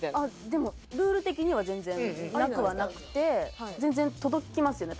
でもルール的には全然なくはなくて全然届きますよね